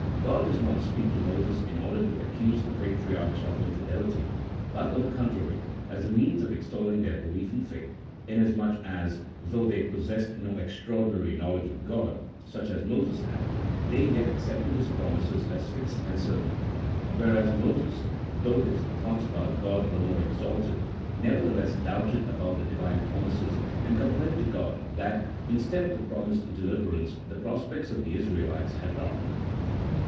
God does not thus speak to Moses in order to accuse the patri archs of infidelity, but, on the contrary, as a means of ex tolling their belief and faith, inasmuch as, though they 178 A THEOLOGICO POLITICAL TREATISE. [CHAP. XIII. possessed no extraordinary knowledge of God (such as Moses had), they yet accepted His promises as fixed and certain ; whereas Moses, though his thoughts about G od were more exalted, nevertheless doubted about the Divine promises, and complained to God that, instead of the pro mised deliverance, the prospects of the Israelites had darkened.